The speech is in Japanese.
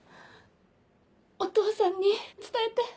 お父さんに伝えて。